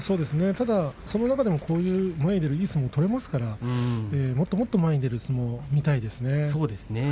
その中でも前に出るいい相撲が取れますからもっともっと前に出る相撲を見たいですね。